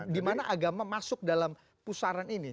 di mana agama masuk dalam pusaran ini